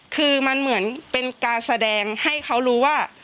คือมันเหมือนเป็นการแสดงให้เขารู้ว่า